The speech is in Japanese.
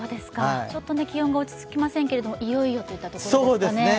ちょっと気温が落ち着きませんけれども、いよいよといったところでしょうかね。